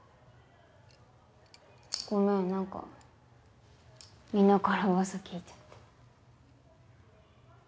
ごめん何かみんなから噂聞いちゃって。